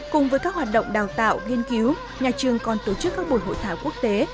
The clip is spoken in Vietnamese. cùng với các hoạt động đào tạo nghiên cứu nhà trường còn tổ chức các buổi hội thảo quốc tế